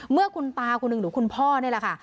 เมื่อคุณตาคนหนึ่งหรือคุณพ่อนี่แหละค่ะ